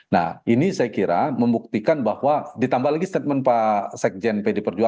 nah ini saya kira membuktikan bahwa ditambah lagi statement pak sekjen pd perjuangan